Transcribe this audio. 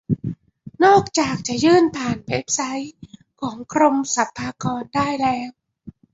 นอกจากจะยื่นผ่านเว็บไซต์ของกรมสรรพากรได้แล้ว